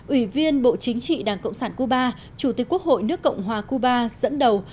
ủy viên bộ chính trị đảng cộng sản cuba chủ tịch quốc hội nước cộng hòa cuba dẫn đầu